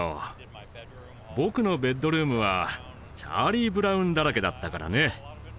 僕のベッドルームはチャーリー・ブラウンだらけだったからね。